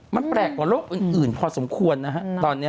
มันแปลกกว่าโรคอื่นพอสมควรนะฮะตอนนี้